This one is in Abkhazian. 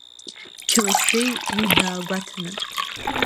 Қьалашьбеи уи даагәаҭаны.